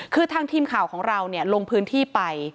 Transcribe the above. คือทางทีมข่าวของเราลงพื้นที่ไป